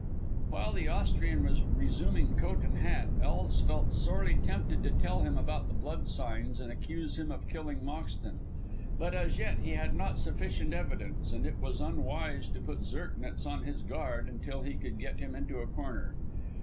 While the Austrian was reassuming coat and hat, Ellis felt sorely tempted to tell him about the blood signs and accuse him of killing Moxton. But as yet he had not sufficient evidence, and it was unwise to put Zirknitz on his guard until he could get him into a corner.